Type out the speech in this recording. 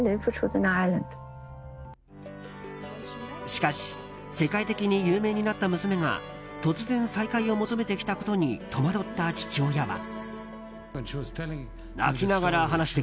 しかし世界的に有名になった娘が突然、再会を求めてきたことに戸惑った父親は。